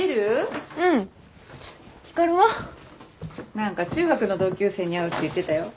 何か中学の同級生に会うって言ってたよ。